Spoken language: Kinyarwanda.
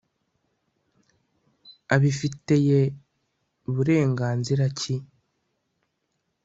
abifiteye burenganzira ki